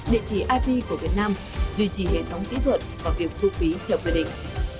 địa chỉ ip của việt nam duy trì hệ thống kỹ thuật và việc thu phí theo quy định